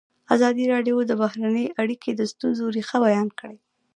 ازادي راډیو د بهرنۍ اړیکې د ستونزو رېښه بیان کړې.